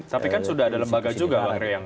tapi kan sudah ada lembaga juga akhirnya yang